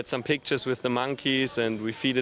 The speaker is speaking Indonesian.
saya pikir dua atau satu hari lalu